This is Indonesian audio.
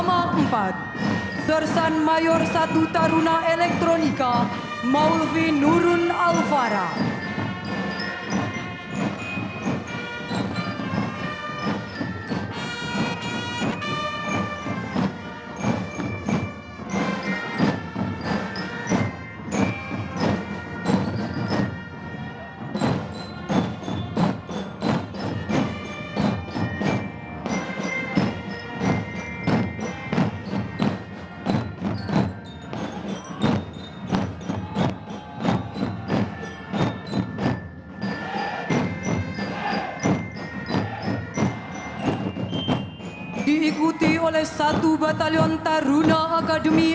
melintas selanjutnya di hadapan kita bersama adalah drambil taruna academy